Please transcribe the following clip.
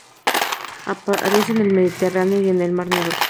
Aparece en el Mediterráneo y en el Mar Negro.